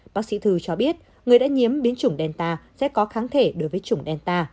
bác sĩ thư cho biết người đã nhiễm biến chủng delta sẽ có kháng thể đối với chủng delta